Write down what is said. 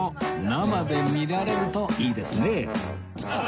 生で見られるといいですね